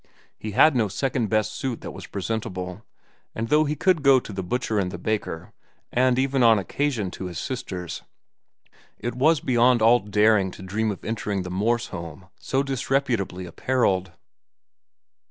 He had no second best suit that was presentable, and though he could go to the butcher and the baker, and even on occasion to his sister's, it was beyond all daring to dream of entering the Morse home so disreputably apparelled.